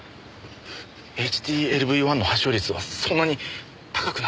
ＨＴＬＶ‐１の発症率はそんなに高くないんでしょう？